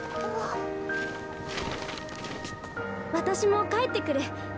私も帰ってくる。